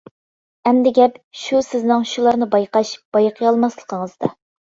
ئەمدى گەپ، شۇ سىزنىڭ شۇلارنى بايقاش، بايقىيالماسلىقىڭىزدا!